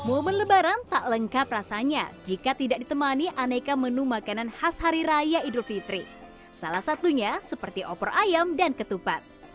allahu akbar allahu akbar allahu akbar